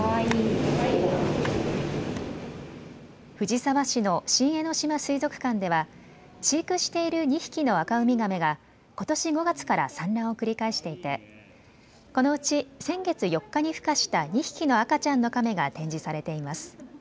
藤沢市の新江ノ島水族館では飼育している２匹のアカウミガメがことし５月から産卵を繰り返していてこのうち先月４日にふ化した２匹の赤ちゃんのカメが展示されています。